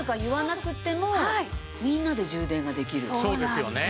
そうですよね。